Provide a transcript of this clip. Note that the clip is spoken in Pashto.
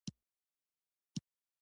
د مکۍ خاوند زرداد له کوټې راووت.